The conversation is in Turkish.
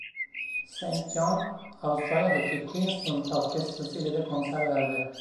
Saint John, Avustralya'daki Queensland Orkestrası ile de konser verdi.